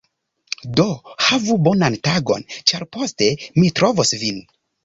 Do, havu bonan tagon, ĉar poste mi trovos vin.